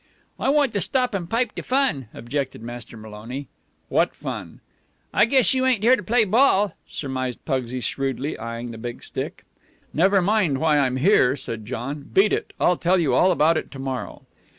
"I want to stop and pipe de fun," objected Master Maloney. "What fun?" "I guess you ain't here to play ball," surmised Pugsy shrewdly, eying the big stick. "Never mind why I'm here," said John. "Beat it. I'll tell you all about it to morrow."